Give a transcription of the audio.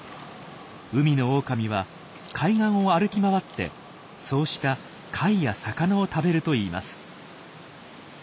海のオオカミは海岸を歩き回ってそうした貝や魚を食べるといいます。